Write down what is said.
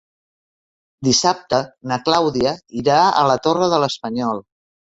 Dissabte na Clàudia irà a la Torre de l'Espanyol.